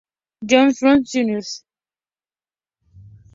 John Surratt, Jr.